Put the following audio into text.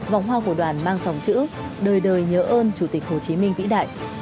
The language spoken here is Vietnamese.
vòng hoa của đoàn mang dòng chữ đời đời nhớ ơn chủ tịch hồ chí minh vĩ đại